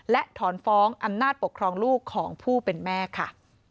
และถอนฟ้องอำนาจปกครองลูกของผู้เป็นแม่ค่ะ